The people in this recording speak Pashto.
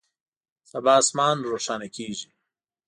سبا اسمان روښانه کیږي